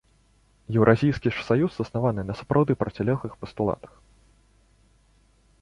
Еўразійскі ж саюз заснаваны на сапраўды процілеглых пастулатах.